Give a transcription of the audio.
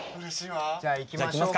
じゃあ行きましょうか。